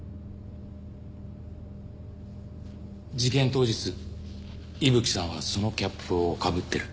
当日伊吹さんはそのキャップをかぶってる。